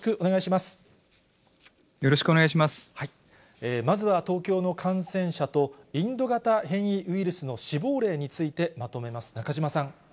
まずは東京の感染者と、インド型変異ウイルスの死亡例についてまとめます、中島さん。